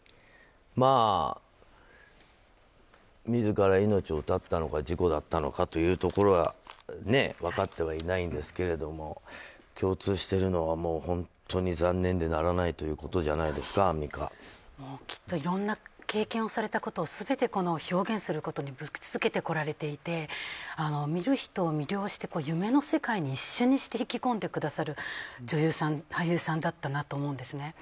まあ、自ら命を絶ったのか事故だったのかというところは分かってはいないんですけれども共通しているのは本当に残念でならないということじゃないですかきっといろんな経験をされたことを全て表現することを続けてこられていて見る人を魅了して夢の世界に一瞬にして引き込んでくださる女優さん、俳優さんだったなと思うんですね。